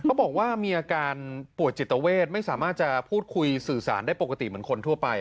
บอกว่ามีอาการป่วยจิตเวทไม่สามารถจะพูดคุยสื่อสารได้ปกติเหมือนคนทั่วไป